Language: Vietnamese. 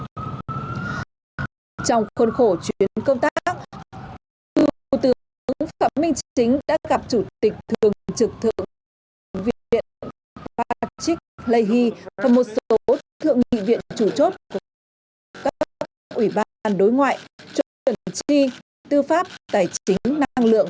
trong khuôn khổ chuyến công tác thủ tướng phạm minh chính đã gặp chủ tịch thường trực thượng viện